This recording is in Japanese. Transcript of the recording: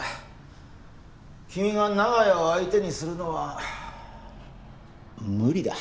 君が長屋を相手にするのは無理だ。